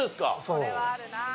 これはあるな。